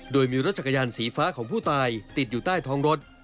โดยมีรถจักรยานสีฟ้าของผู้ตายติดอยู่ใต้ท้องรถ